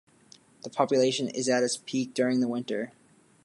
The population is at its peak during the winter.